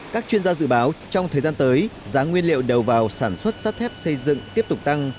các chuyên gia dự báo trong thời gian tới giá nguyên liệu đầu vào sản xuất sắt thép xây dựng tiếp tục tăng